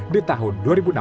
di tahun dua ribu enam belas